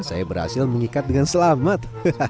saya berhasil mengikat dengan selamat